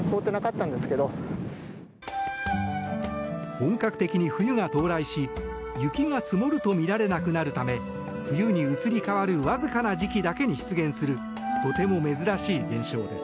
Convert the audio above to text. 本格的に冬が到来し雪が積もると見られなくなるため冬に移り変わるわずかな時期だけに出現するとても珍しい現象です。